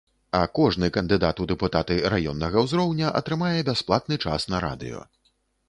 А кожны кандыдат у дэпутаты раённага ўзроўня атрымае бясплатны час на радыё.